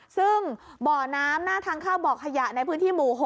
ซึ่งบ่อน้ำหน้าทางเข้าบ่อขยะในพื้นที่หมู่๖